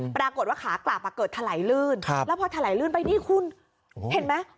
ปรากฏว่าขากลับเกิดถลายลื่นแล้วพอถลายลื่นไปนี่คุณเห็นไหม